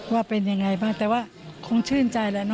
ว่าเป็นอย่างไรบ้างแต่ว่าคงชื่นใจแหละ